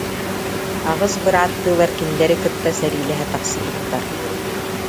Аҕыс бырааттыылар кинилэри кытта сэриилэһэ тахсыбыттар